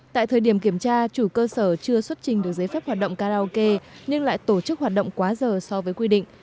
tại thời điểm kiểm tra chủ cơ sở chưa xuất trình được giấy phép hoạt động karaoke nhưng lại tổ chức hoạt động quá giờ so với quy định